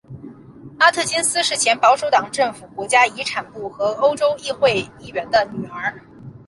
阿特金斯是前保守党政府国家遗产部和欧洲议会议员的女儿。